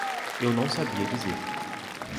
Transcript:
Eu não sabia dizer.